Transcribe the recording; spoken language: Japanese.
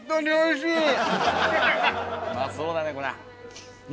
うまそうだねこれ。